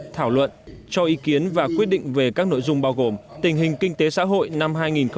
thảo luận cho ý kiến và quyết định về các nội dung bao gồm tình hình kinh tế xã hội năm hai nghìn một mươi tám